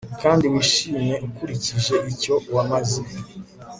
kandi wishime ukurikije icyo wamaze